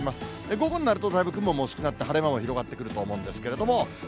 午後になるとだいぶ雲も薄くなって、晴れ間も広がってくると思うんですけれども。